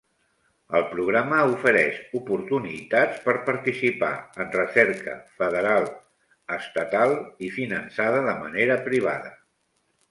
El programa ofereix oportunitats per participar en recerca federal, estatal i finançada de manera privada.